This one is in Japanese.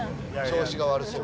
調子が悪そう。